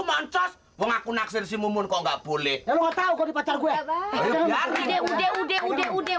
mancos mengaku naksel simon kok nggak boleh tahu kok pacar gue udah udah udah udah udah udah